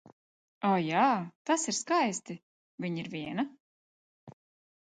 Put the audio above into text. O, jā, tas ir skaisti Viņa ir viena?